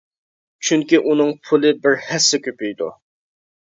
چۈنكى ئۇنىڭ پۇلى بىر ھەسسە كۆپىيىپتۇ.